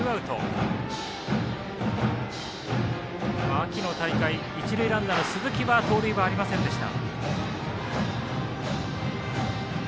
秋の大会、一塁ランナーの鈴木は盗塁はありませんでした。